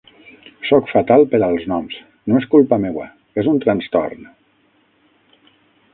Soc fatal per als noms. No és culpa meua, és un transtorn.